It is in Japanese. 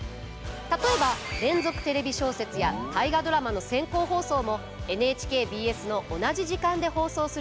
例えば「連続テレビ小説」や「大河ドラマ」の先行放送もＮＨＫＢＳの同じ時間で放送する予定です。